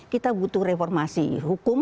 kita butuh reformasi hukum